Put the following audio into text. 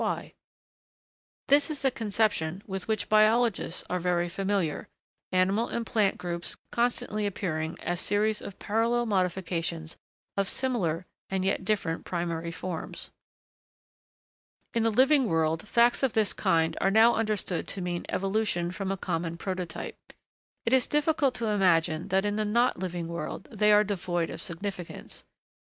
] This is a conception with, which biologists are very familiar, animal and plant groups constantly appearing as series of parallel modifications of similar and yet different primary forms. In the living world, facts of this kind are now understood to mean evolution from a common prototype. It is difficult to imagine that in the not living world they are devoid of significance.